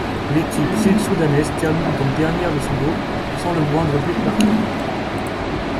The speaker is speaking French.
L'équipe sud-soudanaise termine donc dernière de son groupe, sans le moindre but marqué.